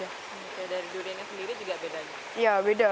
kalau dari duriannya sendiri juga bedanya